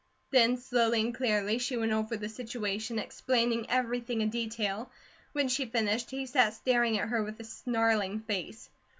Then slowly and clearly she went over the situation, explaining everything in detail. When she finished he sat staring at her with a snarling face.